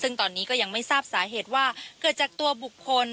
ซึ่งตอนนี้ก็ยังไม่ทราบสาเหตุว่าเกิดจากตัวบุคคล